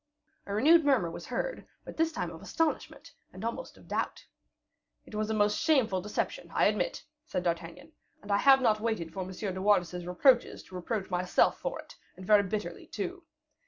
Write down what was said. A renewed murmur was heard, but this time of astonishment, and almost of doubt. "It was a most shameful deception, I admit," said D'Artagnan, "and I have not waited for M. de Wardes's reproaches to reproach myself for it, and very bitterly, too.